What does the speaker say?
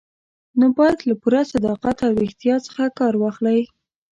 نو باید له پوره صداقت او ریښتیا څخه کار واخلئ.